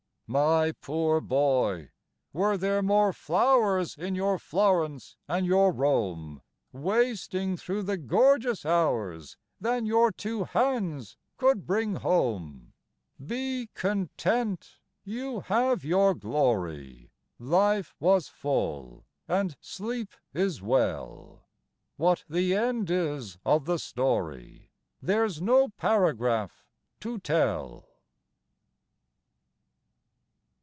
My poor boy, were there more flowers In your Florence and your Rome, Wasting through the gorgeous hours, Than your two hands could bring home? Be content; you have your glory; Life was full and sleep is well. What the end is of the story, There's no paragraph to tell.